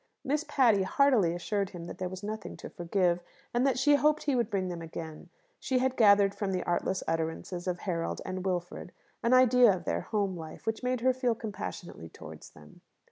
Miss Patty heartily assured him that there was nothing to forgive, and that she hoped he would bring them again. She had gathered from the artless utterances of Harold and Wilfred an idea of their home life, which made her feel compassionately towards them.